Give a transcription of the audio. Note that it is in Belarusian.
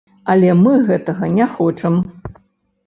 Але мы гэтага не хочам.